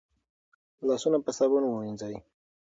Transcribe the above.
لاسونه په صابون ووينځئ